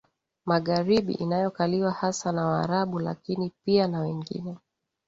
Magharibi inayokaliwa hasa na Waarabu lakini pia na wengine